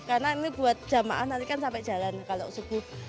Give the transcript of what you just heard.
karena ini buat jamaah nanti kan sampai jalan kalau subuh